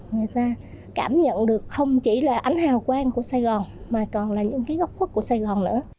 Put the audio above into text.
người ta cảm nhận được không chỉ là ánh hào quang của sài gòn mà còn là những cái góc khuất của sài gòn nữa